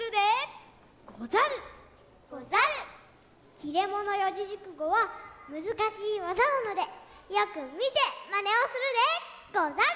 「切れ者四字熟語」はむずかしいわざなのでよくみてまねをするでござる！